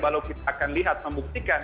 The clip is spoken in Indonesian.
kalau kita akan lihat membuktikan